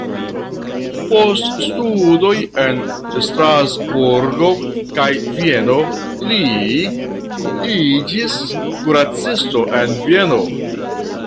Post studoj en Strasburgo kaj Vieno li iĝis kuracisto en Vieno.